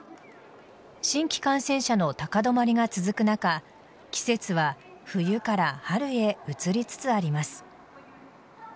新規感染者の高止まりが続く中季節は冬から春へ移りつつあります。